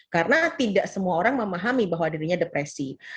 karena tidak semua orang memahami bahwa depresi itu terlambat